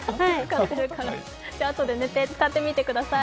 後で寝て使ってみてください。